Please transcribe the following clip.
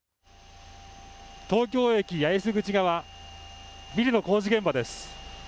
東京駅八重洲口側、ビルの工事現場です。